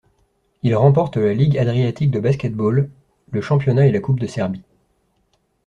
Il remporte la Ligue adriatique de basket-ball, le championnat et la coupe de Serbie.